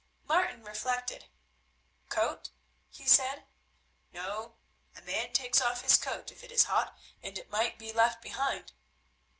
Martin reflected. "Coat?" he said, "no, a man takes off his coat if it is hot, and it might be left behind.